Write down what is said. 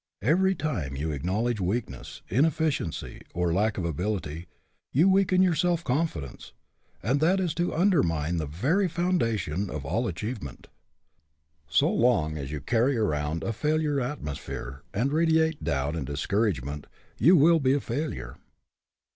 Every time you acknowledge weakness, in efficiency, or lack of ability, you weaken your self confidence, and that is to undermine the very foundation of all achievement. So long as you carry around a failure atmosphere, and radiate doubt and discourage ment, you will be a failure.